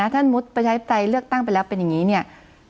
ถ้ามุติประชาธิปไตยเลือกตั้งไปแล้วเป็นอย่างนี้เนี่ย